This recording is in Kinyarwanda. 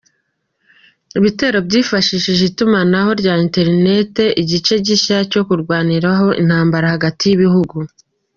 Ibitero byifashishije itumanaho rya internet, igice gishya cyo kurwaniraho intambara hagati y’ibihugu.